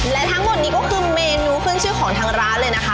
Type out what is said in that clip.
และทั้งหมดนี้ก็คือเมนูขึ้นชื่อของทางร้านเลยนะคะ